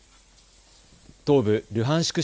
東部ルハンシク